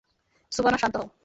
শোবানা, শান্ত হও!